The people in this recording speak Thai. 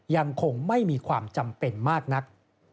ยังคงไม่มีความจำเป็นมากนัก